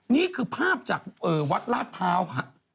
นี่คือภาพจากวัดราชพาวค่ะ